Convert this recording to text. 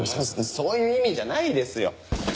そういう意味じゃないですよ。